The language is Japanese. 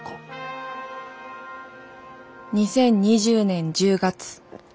２０２０年１０月。